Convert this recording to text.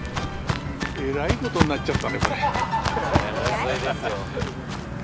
えらいことになっちゃったねこれ。